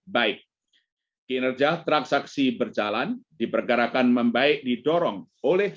baik kinerja transaksi berjalan diperkirakan membaik didorong oleh